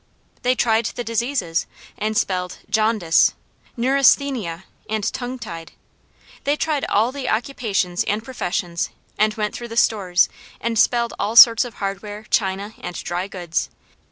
They tried the diseases and spelled jaundice, neurasthenia, and tongue tied. They tried all the occupations and professions, and went through the stores and spelled all sorts of hardware, china and dry goods.